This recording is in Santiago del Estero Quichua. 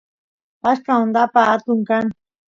pashqa andapa atun kan